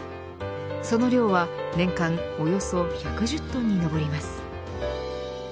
その量は年間およそ１１０トンに上ります。